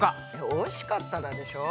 おいしかったらでしょ？